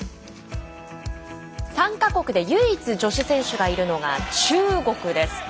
参加国で唯一女子選手がいるのが中国です。